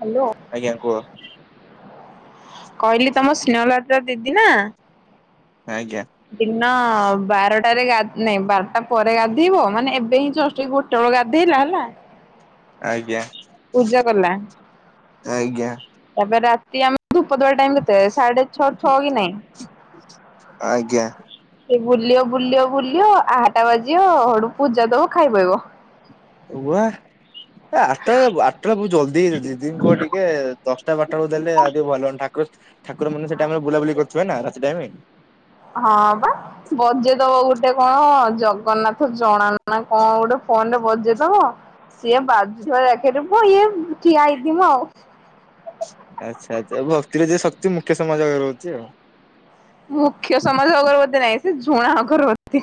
Hello. ଆଜ୍ଞା କୁହ। କହିଲି ତମ ସ୍ନେହଲତା ଦିଦି ନା। ଆଜ୍ଞା ଦିନ ବାରଟ ଟାରେ ନାଇଁ ବାରଟା ପରେ ଗାଧେଇବ ମାନେ ଏବେ ହିଁ ଜଷ୍ଟ ଗୋଟେ ବେଳ ଗାଧେଇଲା ହେଲା। ଆଜ୍ଞା। ପୂଜା କଲା ଆଜ୍ଞା ତା ପରେ ରାତି ଆମେ। ଧୂପ ଦବା ଟାଇମ କେତେ ସାଢେ ଛଅ ଛଅ କି ଆଜ୍ଞା ନାଇଁ। ବୁଲିବ ବୁଲିବ ବୁଲବ ଆହାଟା ବାଜିବ ହେଟୁ ପୂଜା ଦବ ଖାଇ ପଇବ। ତୋ ବୁଆ। ଏ ଆଟା ଆଟା ଟା ବହୁତ୍ ଜଲଦି ହେଇ ଯାଉଛି ଦିଦି ଙ୍କୀ କ ଟିକେ ଦଶଟା ବାରଟା ବେଳକୁ ଦେଲେ ଆଉ ଟିକେ ଭଲ ହୁଅନ୍ତା। ବିକଜ ଠାକୁର ମାନେ ସେ ଟାଇମ ରେ ବୁଲାବୁଲି କରୁ ଥିବେ ନା ରାତି ଟାଇମ। ହଁ ବା ବଜେଇଦବ ଗୋଟେ କଣ ଜଗନ୍ନାଥ ଜଣାନ। କଁ ଗୋଟେ ଫୋନ ରେ ବଜେଇ ଦବ ସିଏ ବାଯୁ ଥାଏ ଏକରେ ପୁଅ ଇଏ ଠିଆ ହେଇଥିବ ଆଉ। ଉଁ। ଆଛା ଆଛା ଭକ୍ତିରେ ଦିଏ ଶକ୍ତି ମୁଖ୍ୟ ସମାଜ ଅଗରବତୀ ଆଉ। ମୁଖ୍ୟ ସମାଜ ଅଗରବତୀ ନାହିଁ ସେ ଝୁଣା ଅଗରବତୀ।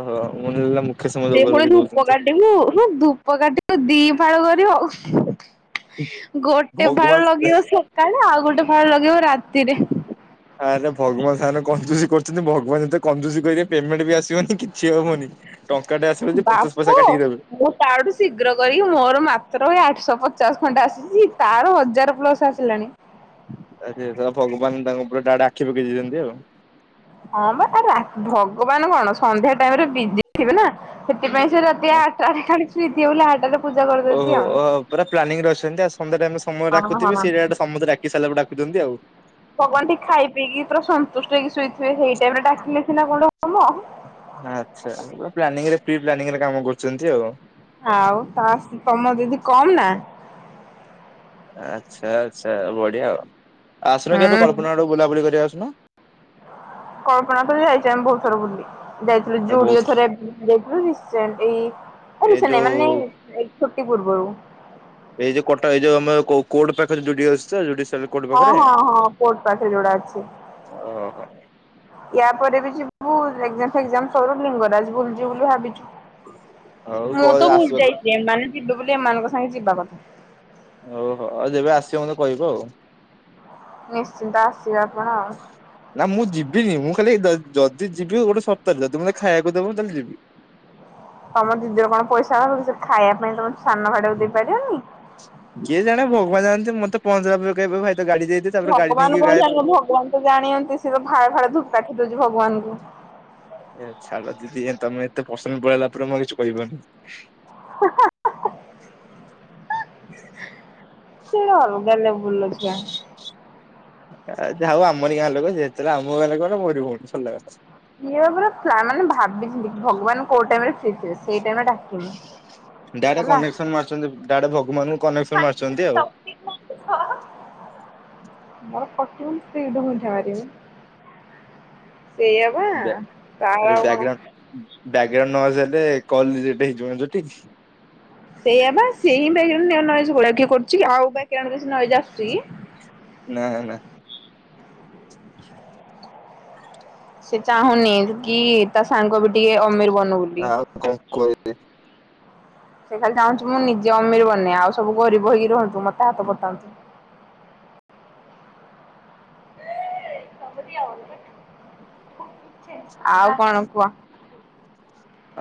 ଓହୋ ମୁଁ ଯୋଉ ମୁ ସେ ପୁଣି ଧୂପ କାଠି କୁ ହୁଁ ଧୂପ କାଠିକୁ ଦି ଫାଳ କରିବ। ଗୋଟେ ଫାଳ ଭଗବାନ ଲଗେଇବ ସକାଳେ ଆଉ ଗୋଟେ ଫାଳ ଲଗେଇବ ରାତିରେ। ହଁଁ। ଆରେ ଭଗବାନ ସାଙ୍ଗରେ କଞ୍ଜୁସି କରୁଛନ୍ତି ଭଗବାନ ଯେତେବେଳେ କଞ୍ଜୁସି କରିବେ ପେମେଣ୍ଟ ବି ଆସିବନି କିଛି ହବନି। ଟଙ୍କାଟେ ଆସିବ ଯେ ପଚାଶ ପଇସା ବାପ କାଟିକି ଦେବେ ମୁଁ ତାଠୁ ଶୀଘ୍ର କରି ମୋର ମାତ୍ର ଆଠଶହ ପଚାଶ। ପଚାଶ ଖଣ୍ଡ ଆସିଛି ତାର ହଜାର ପ୍ଲସ ଆସିଲାଣି। ଆରେ ଭଗବାନ ତାଙ୍କ ଉପରେ ତାଆଡେ ଆଖି ପକେଇ ଦେଇଛନ୍ତି ଆଉ ହଁ ବା ତାର ଭଗବାନ କଣ ସନ୍ଧ୍ୟା ଟାଇମ ରେ ବିଜି ଥିବେ ନା? ସେଥିପାଇଁ ସେ ରାତି ଆଠଟା ରେ [unintelligible] ଓହୋ ଓହୋ ପୁରା ପ୍ଲାନିଂରେ ଅଛନ୍ତି ଆ ସନ୍ଧ୍ୟା ଟା ଆମେ ସମୟ ହଁ ଡକୁଥିବି ହଁ। ସେଇଟା ଗେ ସମସ୍ତେ ଡାକି ସାରିଲା ପରେ ଡାକୁୁଛନ୍ତି। ଆଉ ଭଗବାନ ଟିକେ ଖାଇ ପିଇକି ପୁରା ସନ୍ତୁଷ୍ଟ ହେଇକି ଶୋଇଥିବେ ସେଇ ଟାଇମ ରେ ଡାକିଲେ ସିନା କଣ ହବ। ଆଚ୍ଛା ପୁରା ପ୍ଲାନିଂରେ ପ୍ରି ପ୍ଲାନିଂରେ କାମ କରୁଛନ୍ତି। ଆଉ ଆଉ ତାସ ତମର ଯଦି କମ୍ ନା ଆଚ୍ଛା ଆଚ୍ଛା ବଢିଆ ଆଉ ଆସୁନ କେ ଏବେ କଳ୍ପନାକୁ ବୁଲାବୁଲି କରିବା। କଣ? କଳ୍ପନାକୁ ଯାଇଛୁ ଆମେ ଭହୁ ଥର ବୁଲି। ଯାଇଥିଲୁ ଆଉ ବହୁତ ଯୋଡିଏ ଥର ଯାଇଥିଲୁ ସେମ୍ ଏଇ [unintelligible] ଯୋଉ ମାନେ ଛୁଟି ପୂର୍ବରୁ ଏଇ ଯୋଉ କଟା ଏ ଯୋଉ ଆମ କୋଟ ପାଖରେ ଯୋଉ ଜିଡି ଏସ୍‌ ଜିଡ଼ି ହଁ ହଁ ହଁ କୋଟ ପାଖରେ ଯୋଉଟା ଅଛି। ଓହୋ। ୟା ପରେ ଵି ଏକ୍ସଜମ୍ ଫେକ୍ଜାମ ସରୁ ଲିଙ୍ଗରାଜ ବୁଲି ଜିବୁ ବୋଲି ଭାବିଛୁ। ହଉ କ ମୁଁ ତ ଭୁଲି ଆସିବ ଯାଇଛି ଏମାନେ ଯିବେ ବୋଲି ଏମାନଙ୍କ ସାଙ୍ଗେ ଯିବା କଥା ଓହୋ ଆଉ ଯେବେ ଆସିବା ମୋତେ କହିବ ଆଉ ନିଶ୍ଚିନ୍ତ ଆସି ନା ମୁଁ ଯିବିନି ମୁଁ ଖାଲି ଯଦି ଯିବି ଗୋଟେ ସର୍ତ୍ତରେ ଯଦି ମତେ ଖାଇବାକୁ ଦବୁ ତାହେଲେ ଯିବି। ତମ ଦିଦିର କଣ ପଇସା [unintelligible] ଖାଇବା ପାଇଁ ତମ ସାନ ଭାଇଟାକୁ ଦେଇପାରିବନି। କିଏ ଜାଣେ ଭଗବାନ ଜାଣନ୍ତି ମତେ ପହଞ୍ଚିଲା ପରେ [unintelligible] ତାପରେ ଗାଡି ଭଗବାନ ନେଇକି କଣ ଗାୟବ। ଜାଣିବ ଭଗବାନ ତ ଜାଣନ୍ତି ସେଥିରୁ ଫାଡେ ଫାଡେ ଧୂପକାଠି ଜଦି ଭଗବାନଙ୍କୁ ଏ ଛାଡ ଦିଦି ତମେ ଏତେ ପସନ୍ଦ ପଳେଇଲା ପରେ ମୁ ଆଉ କିଛି କହିଵିନି। ସେ ଗୋଟେ ଅଲଗା ଲେବୁଲର ଛୁଆ। ଯା ହଉ ଆମରି ଗାଁ ଲୋକ ଯେ ଯେତେହେଲେ ଆମ ଗାଁ ଲୋକ ନା ମୋରି ଭଉଣୀ ସରିଲା କଥା। କିଏ ବା ପରେ ମାନେ ଭାବିଛନ୍ତି ଭଗବାନ କୋଉ ଟାଇମ୍ ରେ ଫ୍ରି ଥିବେ। ସେଇ ଟାଇମ୍ ରେ ଡାକିମି। ଡାଇରେକ୍ଟ ହେଲା କନେକ୍ସନ ମାରୁଛନ୍ତି ଡାଇରେକ୍ଟ ଲୋକମାନଙ୍କୁ କନେକ୍ସନ ମାରୁଛନ୍ତି ଆଉ [unintelligible] ସେଇଆ ପା ତାର କଣ ବ୍ୟାଗ୍ରାଉଣ୍ଡ ନଏଜ୍ ହେଲେ କଲଟା ରେଜେକ୍ଟ ହେଇଯିବ ଜୁଟିଛି। ସେଇଆ ପା [unintelligible] ନା ନା। [inaudible] ସେ ଚାହୁଁନି। କି ତା ସାଙ୍ଗ ବି ଟିକେ ଅମିର ବନୋଉନି। ଆଉ କଣ କହିବି ସେ ଖାଲି ଚାହୁଁଛିୁ ମୁଁ ନିଜେ ଅମିର ବନେ ଆଉ ସବୁ ଗରିବ ହେଇକି ରୁହନ୍ତୁ ମତେ ହାତ ପତାନ୍ତୁ। [inaudible] ଆଉ କଣ କୁହ?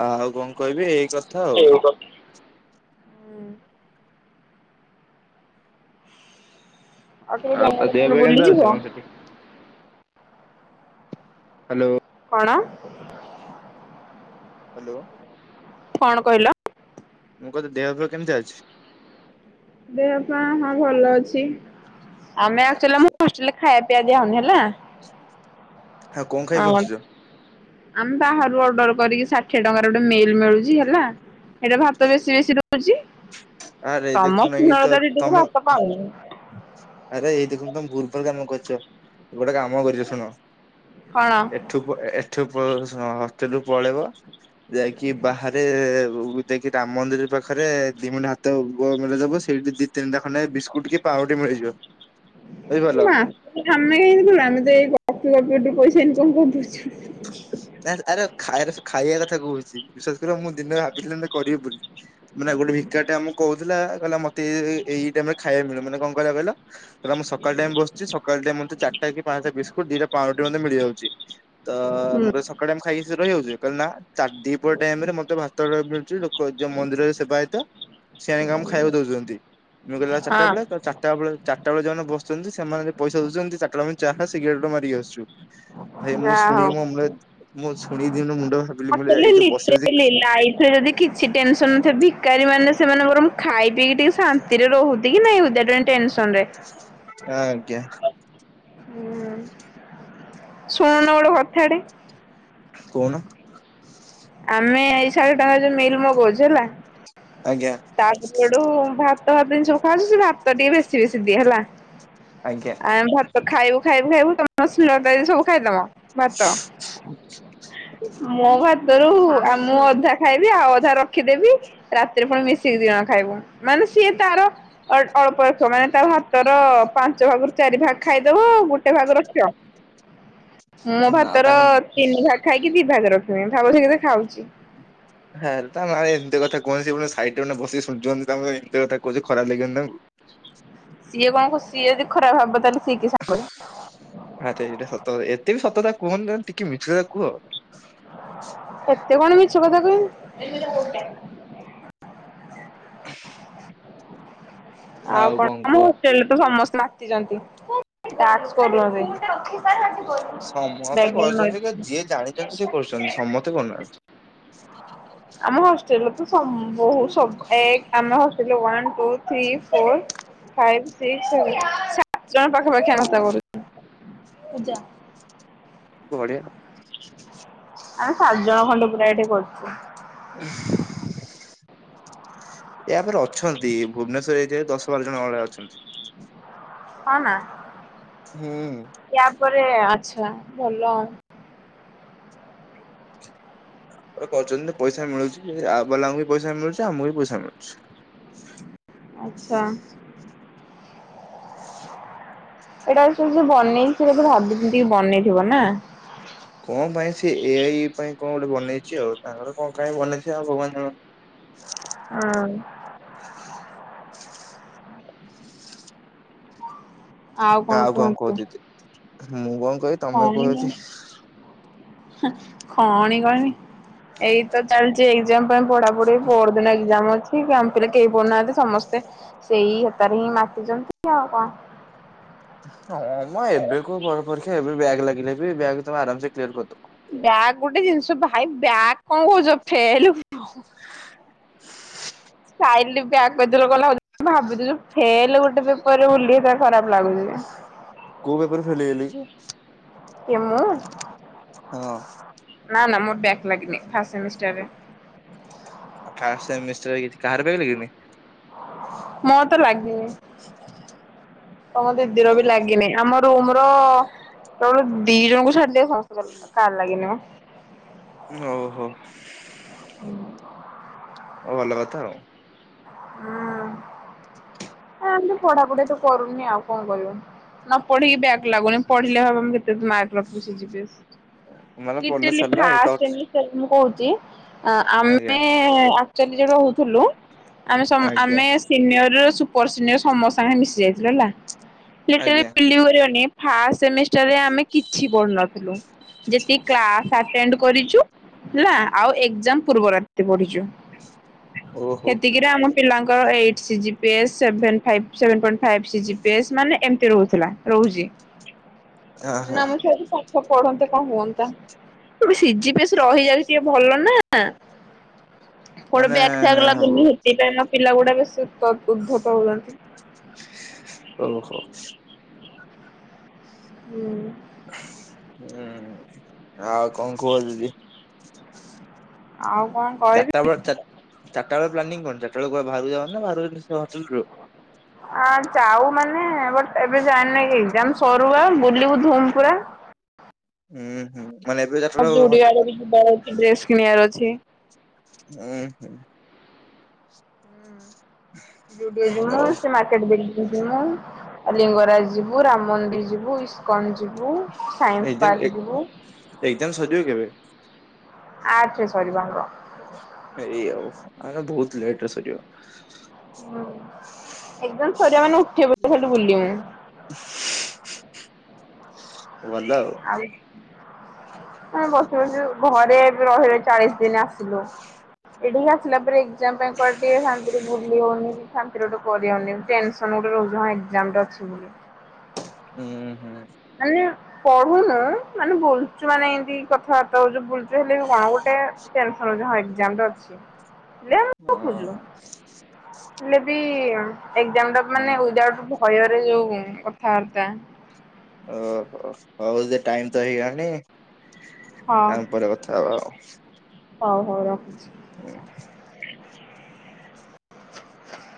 ଆଉ କଣ କହିବି ଏଇ କଥା ଆଉ ହୁଁ ଆଉ ତୋ ଦେହ ପା [unintelligible] କେମିତି ଅଛି ବୁଲିଯିବ। କଣ ସେଠି ହ୍ୟାଲୋ। କଣ? ହ୍ୟାଲୋ। କଣ କହିଲ? ମୁଁ କହୁଥିଲି ଦେହ ଫେଅ କେମତି ଅଛି? ଦେହପା ହଁ ଭଲ ଅଛି, ଆମେ ଆକଚୁଆଲି ଆଚ୍ଛା ଆମ ହଷ୍ଟେଲ ଖାଇବା ପିଆ ଦିଆ ହଉନି ହେଲା। ଆଉ କଣ ଖାଇ ବଞ୍ଚୁଛ? ଆମେ ବାହାରୁ ଅର୍ଡର କରିକି ଷାଠିଏ ଟଙ୍କାରେ ଗୋଟେ ମିଲ ମିଳୁଛି ହେଲା। ଏଇଟା ଭାତ ବେଶୀ ବେଶୀ ରହୁଛି। ଆରେ ତମ ଦେଖୁନ ଏଇ ତ ସ୍ନେହଲତା ଦିଦିକୁ ତମେ ଭାତ କମ ଆରେ ଏଇ ଦେଖନ୍ତ ତ ଭୁଲଭାଲ୍ କାମ କର ଗୋଟେ କାମ କରିଛ ଶୁଣ କଣ? ଏଠୁ ଏଠୁ ହଷ୍ଟେଲ ରୁ ପଳେଇବ। ଯାଇକି ବାହାରେ ଯାଇକି ରାମ ମନ୍ଦିର ପାଖରେ ଦି ମଟେ ହାତ ମିଳଦବ ସେଇଠି ଦି ତିନିଟା ଖଣ୍ଡେ ବିସ୍କୁଟ କି ପାଉଁରୁଟି ମିଳିଯିବ। ବୁଝିପାରିଲ। ମାସେ ଆମେ, ଆମେ ତ ଏଇ ଗପୁ ଗପୁ ପଇସା ଇନକମ୍ କର ଦଉ ନା ଆରେ ଖାଇ ଖାଇବା କଥା କହୁଛି ବିଶ୍ୱାସ କର ମୁଁ ଦିନେ ଭାବିଲି କରିବି ବୋଲି, ମାନେ ଗୋଟେ ଭିକାରିଟେ ଆମକୁ କହୁଥିଲା କହିଲା ମତେ ଏଇ ଟାଇମ ରେ ଖାଇବା ମିଳେ, ମାନେ କଣ କହିଲା କହିଲ ମୁଁ ସକାଳ ଟାଇମ ବସିଛି ସକାଳ ଟାଇମ ଚାରିଟା କି ପାଞ୍ଚଟା ବିସ୍କୁଟ ଦିଟା ପାଉରୁଟି ମତେ ମିଳିଯାଉଛି, ତ ହୁଁ ମୁଁ କହିଲି ସକାଳ ଟାଇମ ଖା ରହିଯାଉଛି, କହିଲା ନା ଦିପହର ଟାଇମ ରେ ମତେ ଭାତ ମିଳୁଛି ଲୋକ ଯୋଉ ମନ୍ଦିରରେ ସେବାୟତ ସିଏ ଆଣିକି ଆମକୁ ଖାଇବାକୁ ଦଉଛନ୍ତି, ମୁଇଁ କହିଲି ଆଉ ଚାରିଟା ହଁ ବେଳେ, ତ ଚାରିଟା ବେଳେ ଚାରିଟା ବେଳେ ଯଉମାନେ ବସୁଛନ୍ତି ସେମାନେ ପଇସା ଦଉଛନ୍ତି ଚାରିଟା ବେଳେ ଚା ଫା ସିଗରେଟ ମାରିକି ଆସୁ ଭାଇ ମୁଁ ଯାହା ଶୁଣି କି ମୋ [unintelligible] ମୁଁ ଶୁଣ ଦିନ ମୁ ଆକଚୁଆଲି ଲିଟରାଲୀ ଯଦି କିଛି ଟେନସନ ନଥିବ ଭି ଭିକାରୀ ମାନେ ସେମାନେ ବରଂ ଖାଇ ପିକି ଟିକେ ଶାନ୍ତିରେ ରହୁଛି କି ନାଇଁ, ୱିଥ ଆଉଟ୍ ଟେନସନ୍ ହଁ ଆଜ୍ଞା। ହୁଁ। ଶୁଣୁନ ଗୋଟେ କଥାଟେ। କହୁନ। ଆମେ ଏଇ ସହେ ଟଙ୍କାରେ ଯୋଉ ମିଲ୍ ମଗଉଛୁ ହେଲା। ଆଜ୍ଞା ତା ଦେହରେ ସେଠୁ ଭାତ ଭାତ ଜିନିଷ ଖାଉୁଚୁ ସେ ଭାତ ଟିକେ ବେଶୀ ବେଶୀ ଦିଏ ହେଲା ଆଜ୍ଞା ଆ ଭାତ ଖାଇବୁ ଖାଇବୁ ଖାଇବୁ ତମ [unintelligible] ସବୁ ଖାଇଦବ। ଭାତ ମ ମୋ ଭାତରୁ ଆ ମୁଁ ଅଧା ଖାଇବି ଆଉ ଅଧା ରଖିଦେବି। ରାତିରେ ପୁଣି ମିଶକି ଦିଜଣ ଖାଇବୁ, ମାନେ ସିଏ ତାର ଅଳ୍ପ ଅଳ୍ପ ମାନେ ତା ଭାତର ପାଞ୍ଚ ଭାଗରୁ ଚା ଚାରି ଭାଗ ଖାଇଦବ ଗୋଟେ ଭାଗ ରଖିବ। ମୋ ନା ଭାତ ର ତାଙ୍କ ତିନି ଭାଗ ଖାଇକି ଦି ଭାଗ ରଖିବି, ଭାବୁଛ କେତେ ଖାଉଛି। ତା ନାରେ ଏମିତି କଥା କୁହନି ସିଏ ପୁଣି ସାଇଟରେ ବସିକି ଶୁଣୁଛନ୍ତି ତା ଏମିତି କଥା କହୁଛି ଖରାପ ଲାଗିିବନି ତାଙ୍କୁ? ସିଏ କଣ କ ସିଏ ଯଦି ଖରାବ ଭାବିବ ତାହାଲେ ଆରେ ଏଇଟା ସତ ଏତେ ବି ସତ କଥା କୁହନି ତମେ ଟିକେ ମିଛ କଥା କୁହ। ଏତେ କଣ ମିଛ କଥା କହିବି? ଆଉ କଣ ଆମ ହଷ୍ଟେଲ ରେ ତ ସମସ୍ତେ ନାଚିଛନ୍ତି, ଡାନ୍ସ କରୁଛନ୍ତି। ସମସ୍ତେ ବ୍ୟାକଗ୍ରାଉଣ୍ଡ କରଛନ୍ତି କି ନଏଜ ଯିଏ ଜାଣିଛନ୍ତି ସିଏ କରୁଛନ୍ତି, ସମସ୍ତେ କରୁନାହାନ୍ତି। ଭ ଆମ ହଷ୍ଟେଲରେ ତ ସମ୍ ବହୁତ ସବୁ ଏକ ଆମ ହଷ୍ଟେଲରେ one two, three, four five, six, ସାତ ଜଣ ପାଖାପାଖି ଆମତା କରୁଛୁ। ପୂଜା। ବଢିଆ। ଆମେ ସାତ ଜଣ ଖଣ୍ଡ ପୁରା ଏଇଠି କରୁଛୁ। ଏହା ପରେ ଅଛନ୍ତି, ଭୁବନେଶ୍ଵରରେ ଜେ ଦଶ ବାର ଜଣ ଭଳିଆ ଅଛନ୍ତି। ହନା। ହୁଁ। ଉପରେ ଆଛା ଭଲ ଆଉ। ପ କରଛନ୍ତି ପଇସା ମିଳୁଛି ଆପ ବାଲାଙ୍କୁ ବି ପଇସା ମିଳୁଛି ଆମକୁ ବି ପଇସା ମିଳୁଛି। ଆଚ୍ଛା। ଏଇଟାକୁ ସେଇ ଯିଏ ବନେଇ ଥିବ ପୁରା ଭାବିଚିନ୍ତି କି ବନେଇଥିବ ନା। କଣ ପାଇଁ ସେ ଏ ଆଇ ପାଇଁ କଣ ଗୋଟେ ବନେଇଛି ଆଉ ତାଙ୍କର କଣ କାହିଁ ବନେଇଥିବେ ଆଉ ଭଗବାନ ଜାଣନ୍ତି। ହଁ। ଆଉ କଣ କହୁ ଦିଦି ମୁଁ କଣ କି ତମେ କହଚି। ଖଣି [unintelligible] ଏଇ ତ ଚାଲିଚି ଜ ପାଇଁ ପଢା ପଢି ପଦିନ ଏକ୍ଜାମ ଅଛି। ଠିକ ଆମ ପିଲେ କେହି ପଡୁନାହାନ୍ତି, ସମସ୍ତେ ସେଇ ହେତାରେ ହିଁ ମାତିଛନ୍ତି ଆଉ। ହ ହଁ ମ ଏବେ କୁ ପରୀକ୍ଷା ଏବେ ବ୍ୟାକ ଲାଗିଲେ ବି ବ୍ୟାକ ତମେ ଆରାମସେ କିଲିଅର କରିଦବ। ବ୍ୟାଗ ଗୋଟେ ଜିନିଷ ଭାଇ ବ୍ୟାକ କଣ କୋହୁଚ ଫେଲ ସାଇଲି ବ୍ୟାକ [unintelligible] ଭାବୁଥିଲୁ ଫେଲ ଗୋଟେ ପେପରରେ ବୁଲ ତା ଖରାପ ଲାଗୁଚି। କୋଉ ପେପରେ ଫେଲ ହେଇଗଲେ କି? କେ ମୁଁ? ହଁ। ନାଁ ନା ମୋର ବ୍ୟାକ ଲାଗନି ଫା ଫାଷ୍ଟ ସେମିଷ୍ଟର କାହାର ବ୍ୟାକ ଲାଗିନି? ମୋର ତ ଲାଗିନି। ତମ ଦିଦି ର ଓହୋ ବି ଲାଗିନି ଆମ ରୁମ ର ଦି ଜଣଙ୍କୁ ଛାଡିଦିଅ ସମସ୍ତ ଙ୍କ ବ୍ୟାଗ୍ ଲାଗିନି। ଓହୋ। ହୁଁ। ହଉ ଭଲ କଥା ଆଉ। ହୁଁ। ମ ପଢାପଢି ତ କରୁନି ଆଉ କଣ କହିବୁ ନ ପଢିକି ବ୍ୟକ୍ ଲାଗୁନି ପଢିଲେ [unintelligible] ମାର୍କ ସେ ଯିବେ ମାନେ ପଢିଲେ ଇଟିଲି ସରିଲା ଆଉ ଟପ୍ [unintelligible] ସେ ମୁଁ କହୁ ଚି ଆଜ୍ଞା ଆମେ ଆକ୍ଚଲିରେ ରହୁଥିଲୁ। ଆମେ ସ ଆଜ୍ଞା ଆମେ ସିନିୟର ସୁପର ସିନିୟର ସମସ୍ତ ସାଙ୍ଗେ ମିଶି ଯାଇଥିଲୁ ହେଲା। ଲିଟ୍ରାରି ଆଜ୍ଞା ବିଲିଭି କରିବନି ଫାସେମିଷ୍ଟର୍ ରେ ଆମେ କିଛି ପଢୁନଥିଲୁ। ଯେତିକି କ୍ଲାଶ୍ ଆଟେଣ୍ଟ କରି ହେଲା ଆଉ ଏକ୍ଜାମ ପୂର୍ବ ରାତି ପଢିଚୁ। ଓହୋ ସେତିକିରେ ଆମ ପିଲାଙ୍କର ଏଇଟ୍ ସିଜି pace seven five seven point ଶିଜି PS ମାନେ ଏମିତି ରହୁଥିଲ ରହୁଚି। ଆହା ନା ଆମ୍ ଛୁଆ ପାଠ ପଢନ୍ତେ କଣ ହୁଅନ୍ତା। ସିଝି ପିଏସ୍ ରହିଯାଉଚି ଟିକେ ଭଲ ନା କୋଡ ମାନେ ବ୍ୟାଗ ଫ୍ୟାଗ ଲାଗୁନି ହେଥିପାଇଁ ପିଲ ଗୁଡା ବେଶୀ ଉତ ଉଦ୍ଧ ଓହୋ। ହୁଁ। ହୁଁ ଆଉ କଣ କୁହ ଦିଦି। ଆଉ। କଣ କହିବି? ଚାରିଟା ବେଳେ ଚା ଚାରିଟା ବେଳେ ପ୍ଲାନିଂ କଣ ଚାରିଟା ବେଳେ କୁଆଡେ ବାହାରକୁ ଯାଅ ନା ବା ହଷ୍ଟେଲ୍ ରେ ରୁହ। ଆ ଯାଉ ମାନେ ବଟ୍ ଏବେ ଯାଇନେଇ କି ଯା ସରୁଆ ବୁଲିବୁ ଧୁମ୍ପୁରା। ହୁଁ ହୁଁ ମାନେ ଏବେ ଚାରିଟା ବେଳେ [unintelligible] ବି ହଷ୍ଟେଲ ଯିବାର ଅଛି, ଡ୍ରେସ କିଣିବାର ଅଛି। ହୁଁ ହୁଁ। ଯୁଡିଓ ଯିବ ହଉ ସେ ମାର୍କେଟ୍ ଦେଇ ଯିବ ଲିଙ୍ଗରାଜ୍ ଯିବୁ ରାମ ମନ୍ଦିର ଯିବୁ ଇସ୍କନ ଯି ବୁ ସାଇନ୍ସ ଏକ୍ଜାମ୍ ପାର୍କ ଯିବୁ। ଏକ୍ଜାମ ସରିବ କେବେ ଆଠ ରେ ସରିବ ଆମର। ଏଇ ଆଉ ଆମର ବହୁତ୍ ଲେଟ୍ରେ ସରିବ। ହୁଁ ଏକ୍ଜାମ୍ ସରିବ ମାନେ ଉଠିବ ବୋଲି ଖାଲି ବୁଲିବେ। [inaudible] [inaudible] ଆଉ [unintelligible] ଶୁଣୁ ଘରେ ରହିଲୁ ଚାଳିସ୍ ଦିନ୍ ଆସିଲୁ ଏଠିକି ଆସିଲା ପରେ ଏକ୍ଜାମ୍ ଟିକେ ଶାନ୍ତି ରେ ବୁଲି ହଉନି କି ଶାନ୍ତିରେ ଗୋଟେ ପଢିହଉନି ଟେନ୍ସନ୍। ମୁଣ୍ଡ ରେ ବୋଝ ମୋର ଏକ୍ଜାମ୍ ଟେ ଅଛି ବୋଲି। ହୁଁ-ହୁଁ। ମାନେ ପଢୁନୁ ମାନେ ବୁଲ୍ଚୁ ମାନେ ଏମିତି କଥାବାର୍ତ୍ତା ହଉଚୁ ବୁଲ୍ ହେଲେବି କଣ ଗୋଟେ ଟେନ୍ସନ୍ ହଁ ଏକ୍ଜାମ୍ ଟେ ଅଛି। ହେଲେ ଆମେ ଗପୁଛୁ। ହଁ। ହେଲେ ବି ଏକ୍ଜାମ୍ ଟା ହୁଁ ଉଦାଉଟ୍ ମାନେ ଭୟରେ ଯୋଉ କଥାବାର୍ତା। ଓ ହୋ ହଉ ଟାଇମ୍ ତ ହେଇଗଲାଣି। ହଁ ଆମ୍ ପରେ କଥାହବା ଆଉ। ହଉ ହଉ ରଖୁଚି। ହୁଁ। [inaudible]